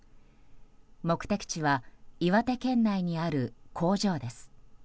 目的地は岩手県内にある工場です。